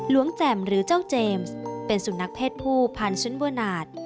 ล้วงแจ่มหรือเจ้าเจมส์เป็นสูญนักเพศผู้พันธุ์ชุนบวนาท